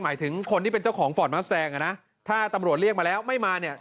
หมายถึงคนที่เป็นเจ้าของฟอร์ดมัสแซงอ่ะนะถ้าตำรวจเรียกมาแล้วไม่มาเนี่ย